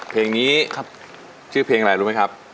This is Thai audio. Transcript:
เพลงนี้ชื่อเพลงอะไรรู้ไหมครับ